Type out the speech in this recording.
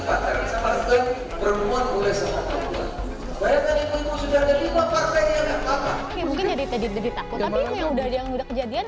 ya karena hukumnya tidak ada